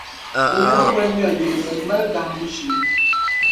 Di nyɛla bol'ŋmɛri yili din mali dahimbu sheei.